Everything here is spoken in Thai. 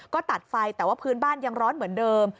ก็ตัดไฟแต่ว่าพื้นบ้านยังร้อนเหมือนเดิม